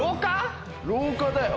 廊下だよ。